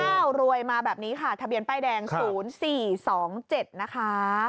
รวยมาแบบนี้ค่ะทะเบียนป้ายแดง๐๔๒๗นะคะ